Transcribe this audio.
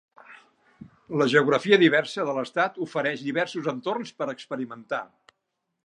La geografia diversa de l'estat ofereix diversos entorns per experimentar.